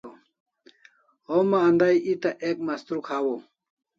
Homa andai eta ek mastruk hawaw